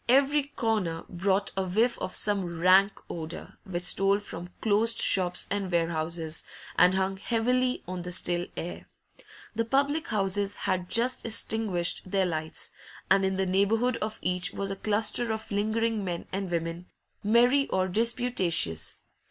Every corner brought a whiff of some rank odour, which stole from closed shops and warehouses, and hung heavily on the still air. The public houses had just extinguished their lights, and in the neighbourhood of each was a cluster of lingering men and women, merry or disputatious.